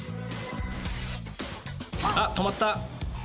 あっ、止まった。